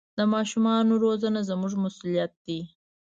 د ماشومانو روزنه زموږ مسوولیت دی.